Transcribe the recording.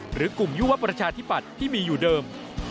หรือกลุ่มยุวประชาธิปัตย์ที่มีอยู่เดิม